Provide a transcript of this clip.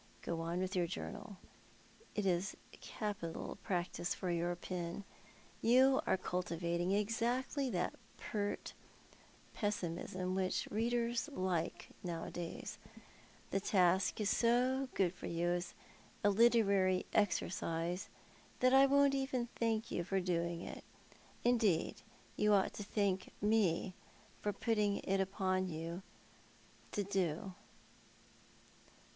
Go on with your journal, it is capital practice for your pen. You are cultivating exactly that pert pessimism which readers like nowadays, Tlie task is so good for you as a literary exercise that I won't even thank you for doing it. Indeed, you ought to thank me for putting it upon you to do."